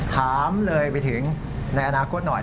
ถามเลยไปถึงในอนาคตหน่อย